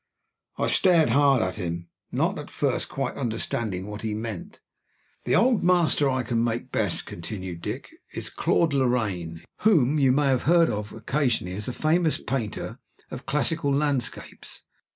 I stared hard at him, not at first quite understanding what he meant. "The Old Master I can make best," continued Dick, "is Claude Lorraine, whom you may have heard of occasionally as a famous painter of classical landscapes.